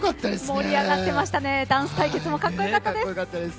盛り上がってましたねダンス対決もかっこよかったです。